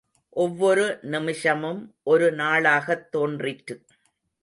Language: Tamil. ஒவ்வொரு நிமிஷமும் ஒரு நாளாகத் தோன்றிற்று.